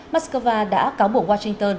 moscow đã cáo buộc washington